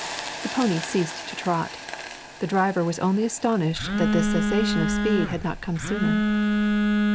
The pony ceased to trot. The driver was only astonished that this cessation of speed had not come sooner.